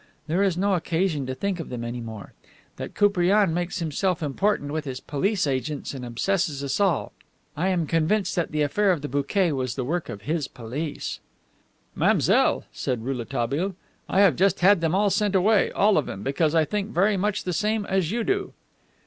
There is no occasion to think of them any more. That Koupriane makes himself important with his police agents and obsesses us all. I am convinced that the affair of the bouquet was the work of his police." "Mademoiselle," said Rouletabille, "I have just had them all sent away, all of them because I think very much the same as you do."